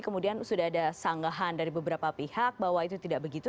kemudian sudah ada sanggahan dari beberapa pihak bahwa itu tidak begitu